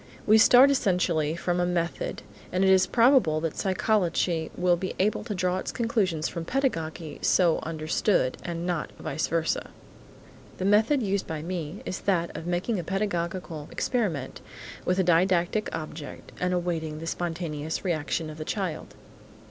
We start essentially from a method, and it is probable that psychology will be able to draw its conclusions from pedagogy so understood, and not vice versa. The method used by me is that of making a pedagogical experiment with a didactic object and awaiting the spontaneous reaction of the child.